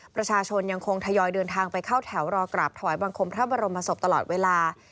ประชาชนยังคงทยอยเดินทางไปเข้าแถวรอกราบถวายบังคมพระบรมศพตลอดเวลา